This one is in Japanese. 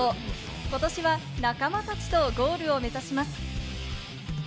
ことしは仲間たちとゴールを目指します。